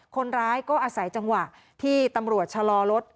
คนร้ายก็อาศัยจังหวะที่ตำรวจชะลอรถ